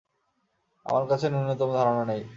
আমার কাছে নুন্যতম ধারণা নেই।